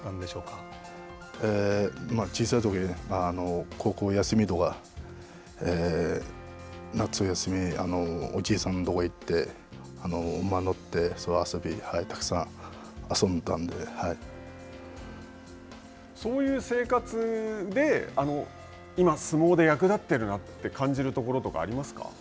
まあ、小さいときに、高校休みとか夏休みおじいさんのところに行って、馬に乗って遊び、そういう生活で、今相撲で役立ってるなって感じるところとかありますか。